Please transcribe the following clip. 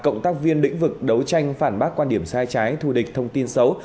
cộng tác viên lĩnh vực đấu tranh phản bác quan điểm sai trái thù địch thông tin xấu